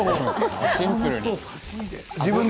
シンプルに。